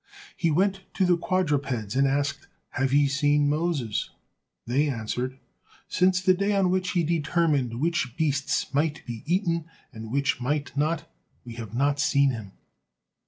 He went to the quadrupeds and asked: "Have ye seen Moses?" They answered: "Since the day on which he determined which beasts might be eaten, and which might not, we have not seen him."